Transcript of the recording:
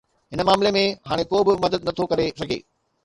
هن معاملي ۾ هاڻي ڪو به مدد نه ٿو ڪري سگهي